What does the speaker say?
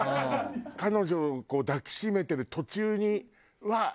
彼女をこう抱き締めてる途中にうわっ！